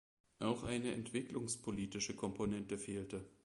Auch eine entwicklungspolitische Komponente fehlte.